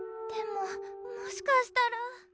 でももしかしたら。